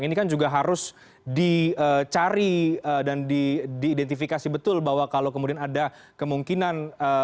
ini kan juga harus dicari dan diidentifikasi betul bahwa kalau kemudian ada kemungkinan